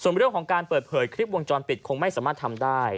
ส่วนเรื่องของการเปิดเผยคลิปวงจรปิดคงไม่สามารถทำได้